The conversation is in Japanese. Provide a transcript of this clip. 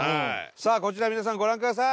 さあこちら皆さんご覧ください